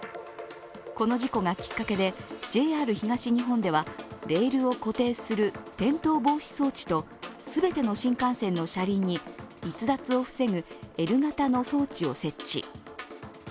この事故がきっかけで、ＪＲ東日本ではレールを固定する転倒防止装置と、全ての新幹線の車輪に逸脱を防ぐＬ型の装置を設置。